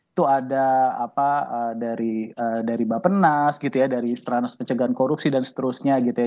itu ada dari bapak penas gitu ya dari stranas pencegahan korupsi dan seterusnya gitu ya